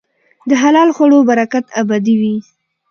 د حلال خوړو برکت ابدي وي.